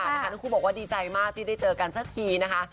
ทั้งคู่บอกว่าดีใจมากที่ได้เจอกันสักทีนะคะ